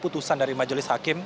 pembahasan dari majulis hakim